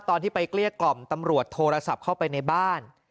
ตอนที่ไปเกลี้ยกล่อมตำรวจโทรศัพท์เข้าไปในบ้าน